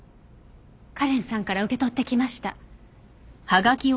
カレンさんから受け取ってきました。